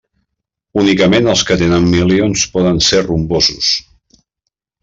Únicament els que tenen milions poden ser rumbosos.